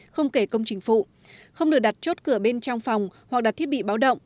không kể công chính phủ không được đặt chốt cửa bên trong phòng hoặc đặt thiết bị báo động